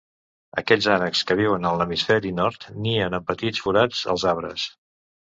Aquests ànecs que viuen a l'hemisferi nord, nien en petits forats als arbres.